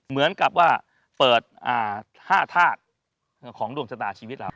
เหมือนกับว่าเปิด๕ธาตุของดวงชะตาชีวิตเรา